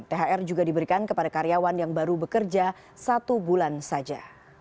thr juga diberikan kepada karyawan yang baru bekerja satu bulan saja